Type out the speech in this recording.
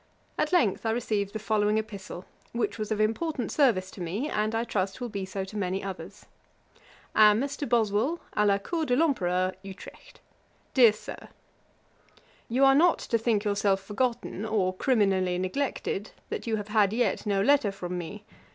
At length I received the following epistle, which was of important service to me, and, I trust, will be so to many others. 'A MR. BOSWELL, À LA COUR DE L'EMPEREUR, UTRECHT. 'DEAR SIR, 'You are not to think yourself forgotten, or criminally neglected, that you have had yet no letter from me.